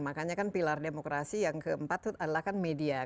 makanya kan pilar demokrasi yang keempat adalah kan media